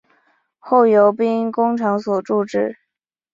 后由兵工厂所铸制。